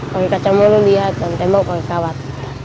pakai kacamalu lihat dan tembak pakai kawat